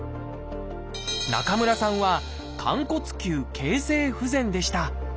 中村さんは「寛骨臼形成不全」でした。